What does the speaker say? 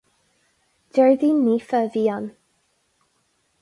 Déardaoin Naofa a bhí ann.